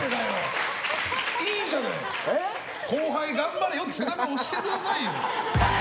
後輩頑張れよって背中押してくださいよ。